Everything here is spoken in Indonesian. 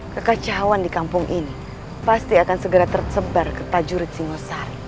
kekacauan di kampung ini pasti akan segera tersebar ke prajurit singosari